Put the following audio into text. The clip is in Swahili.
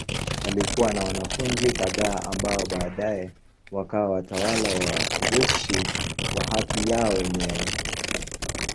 Alikuwa na wanafunzi kadhaa ambao baadaye wakawa watawala wa kijeshi kwa haki yao wenyewe.